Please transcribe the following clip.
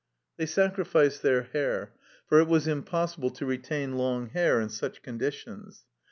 They sacrificed their hair, for it was impossible to retain long hair in such conditions.